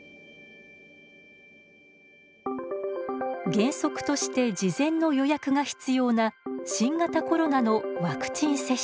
原則として事前の予約が必要な新型コロナのワクチン接種。